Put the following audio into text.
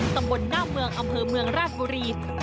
ตำบลหน้าเมืองอำเภอเมืองราชบุรี